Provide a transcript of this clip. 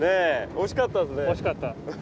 惜しかった。